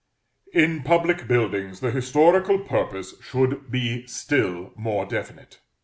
In public buildings the historical purpose should be still more definite.